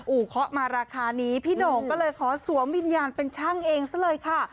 อูเคาะมาราคานี้พี่โหน่งก็เลยขอสวมวิญญาณเป็นช่างเองซะเลยค่ะ